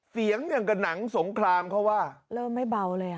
เสียงอย่างกับหนังสงครามเขาว่าเริ่มไม่เบาเลยอ่ะ